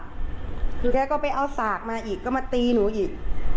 คือแกก็ไปเอาสากมาอีกก็มาตีหนูอีก